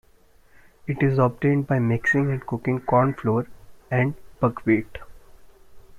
It is obtained by mixing and cooking corn flour and buckwheat.